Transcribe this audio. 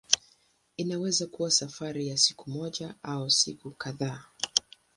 Inaweza kuwa safari ya siku moja au siku kadhaa.